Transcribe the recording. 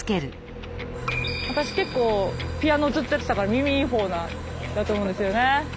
私結構ピアノずっとやってたから耳いいほうなんだと思うんですよね。